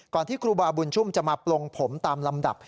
ที่ครูบาบุญชุมจะมาปลงผมตามลำดับ